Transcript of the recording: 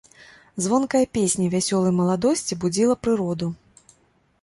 Звонкая песня вясёлай маладосці будзіла прыроду.